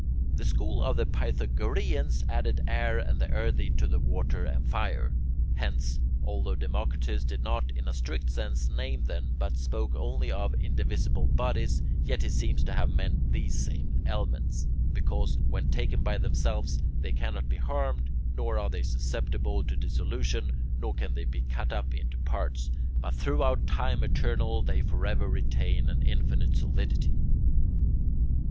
The school of the Pythagoreans added air and the earthy to the water and fire. Hence, although Democritus did not in a strict sense name them, but spoke only of indivisible bodies, yet he seems to have meant these same elements, because when taken by themselves they cannot be harmed, nor are they susceptible of dissolution, nor can they be cut up into parts, but throughout time eternal they forever retain an infinite solidity.